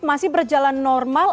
masih berjalan normal